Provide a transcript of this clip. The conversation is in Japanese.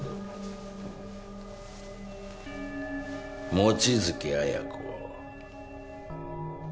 望月彩子